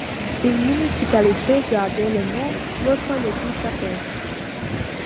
Une municipalité gardait le nom, l’autre les deux chapons.